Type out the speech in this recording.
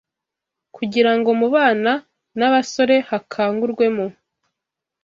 Kugira ngo mu bana n’abasore hakangurwemo